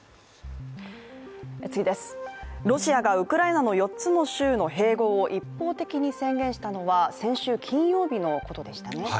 ロシアがウクライナの４つの州の併合を一方的に宣言したのは先週金曜日のことでしたね。